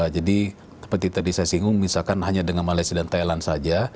jadi seperti tadi saya singgung misalkan hanya dengan malaysia dan thailand saja